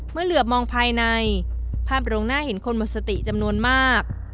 เมื่อเหลือมองภายในภาพโรงหน้าเห็นคนหมดสติจำนวนมาก